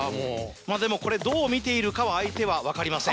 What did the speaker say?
でもこれどう見ているかは相手は分かりません。